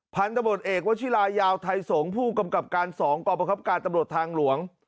พันธุ์ตำรวจเอกวชิลายาวทัยสงศ์ผู้กำกับการ๒กบการตำรวจทางหลวง